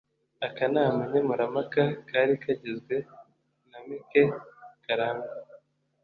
Akanama nkemurampaka kari kagizwe na Mike Karangwa